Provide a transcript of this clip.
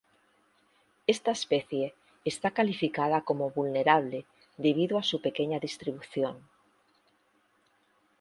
Esta especie está calificada como vulnerable debido a su pequeña distribución.